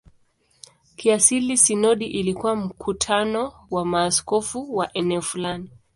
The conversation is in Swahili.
Kiasili sinodi ilikuwa mkutano wa maaskofu wa eneo fulani.